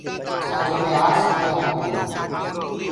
جھآجو مي آٺ سيٚٽينٚ هونٚديونٚ